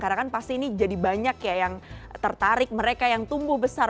karena kan pasti ini jadi banyak ya yang tertarik mereka yang tumbuh besar